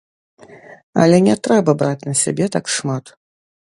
Але не трэба браць на сябе так шмат.